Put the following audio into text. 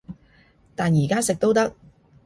但而家食都得